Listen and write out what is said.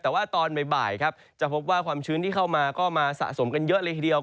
แต่ว่าตอนในบ่ายจะพบว่าความชื้นเข้ามาก็จึงมาสะสมกันเยอะเล็งเดียว